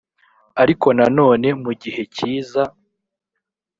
ariko na none mu gihe cyiza